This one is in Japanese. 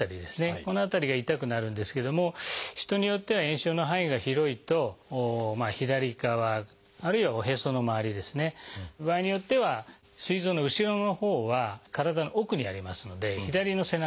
この辺りが痛くなるんですけども人によっては炎症の範囲が広いと左側あるいはおへその周りですね場合によってはすい臓の後ろのほうは体の奥にありますので左の背中